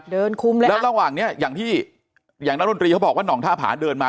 คุมแล้วแล้วระหว่างเนี้ยอย่างที่อย่างนักดนตรีเขาบอกว่าห่องท่าผาเดินมา